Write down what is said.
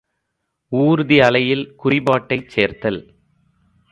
ஊர்தி அலையில் குறிபாட்டைச் சேர்த்தல்.